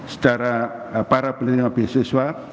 setara para pelajar biasiswa